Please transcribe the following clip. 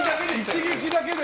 一撃だけで。